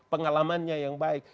pengalamannya yang baik